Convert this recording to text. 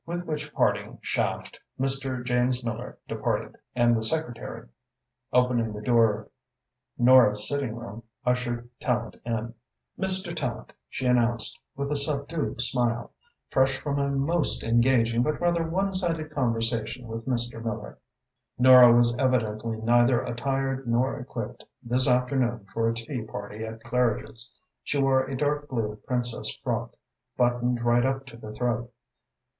With which parting shaft Mr. James Miller departed, and the secretary, Opening the door of Nora's sitting room, ushered Tallente in. "Mr. Tallente," she announced, with a subdued smile, "fresh from a most engaging but rather one sided conversation with Mr. Miller." Nora was evidently neither attired nor equipped this afternoon for a tea party at Claridge's. She wore a dark blue princess frock, buttoned right up to the throat.